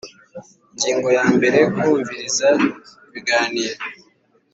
Ingingo ya mbere Kumviriza ibiganiro